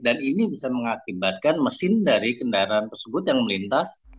dan ini bisa mengakibatkan mesin dari kendaraan tersebut yang melintas